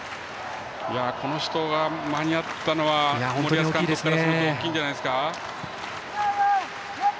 この人が間に合ったのは森保監督からすると大きいんじゃないですか。